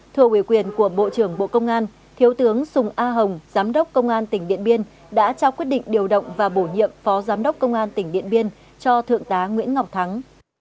thưa uy quyền của bộ trưởng bộ công an thiếu tướng sùng a hồng giám đốc công an tỉnh điện biên đã trao quyết định điều động và bổ nhiệm phó giám đốc công an tỉnh điện biên cho thượng tá nguyễn ngọc thắng